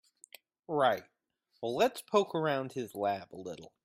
Right, well let's poke around his lab a little.